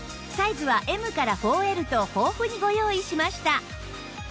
サイズは Ｍ から ４Ｌ と豊富にご用意しました